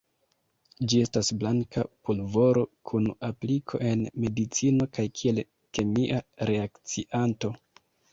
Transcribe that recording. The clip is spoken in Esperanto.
Ĝi estas blanka pulvoro kun apliko en medicino kaj kiel kemia reakcianto.